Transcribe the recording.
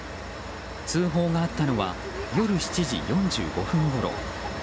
通報があったのは夜７時４５分ごろ。